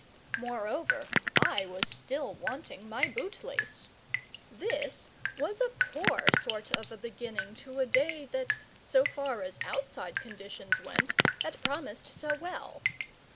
Moreover, I was still wanting my bootlace. This was a poor sort of a beginning to a day that, so far as outside conditions went, had promised so well.